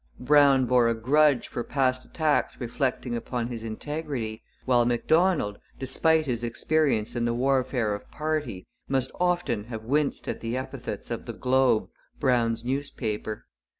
Brown bore a grudge for past attacks reflecting upon his integrity, while Macdonald, despite his experience in the warfare of party, must often have winced at the epithets of the Globe, Brown's newspaper.